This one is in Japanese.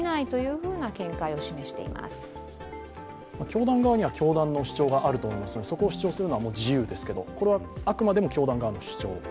教団側には教団の主張があると思うのでそこを主張するのは自由ですけれども、これはあくまでも教団側の主張。